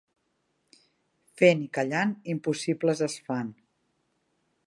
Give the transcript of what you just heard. Fent i callant impossibles es fan.